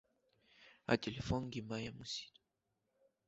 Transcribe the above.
Ателефонгьы ма иамысит.